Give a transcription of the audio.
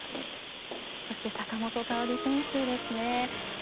そして坂本花織選手です。